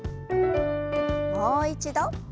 もう一度。